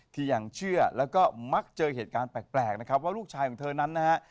ที่ยังเชื่อแล้วก็มักเจอเหตุการณ์แปลกนะครับว่าลูกชายของเธอนั้นนะฮะ